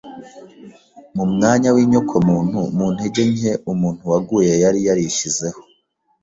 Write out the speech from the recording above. Mu mwanya w’inyoko muntu, mu ntege nke ‘umuntu waguye yari yarishyizeho,